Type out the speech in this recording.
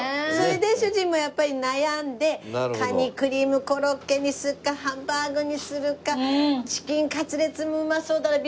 それで主人もやっぱり悩んでカニクリームコロッケにするかハンバーグにするかチキンカツレツもうまそうだ